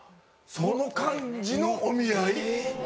その感じのお見合い？